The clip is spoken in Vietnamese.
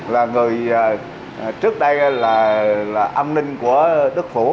là người trước đây là âm ninh của đức phủ